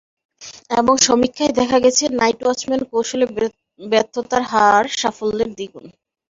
এবং সমীক্ষায় দেখা গেছে, নাইট ওয়াচম্যান কৌশলে ব্যর্থতার হার সাফল্যের দ্বিগুণ।